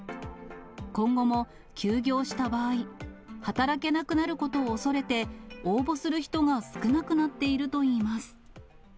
今後も休業した場合、働けなくなることを恐れて、応募する人が少なくなっているといいます。